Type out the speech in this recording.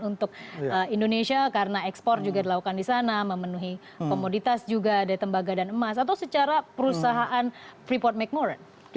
untuk indonesia karena ekspor juga dilakukan di sana memenuhi komoditas juga dari tembaga dan emas atau secara perusahaan freeport mcmoran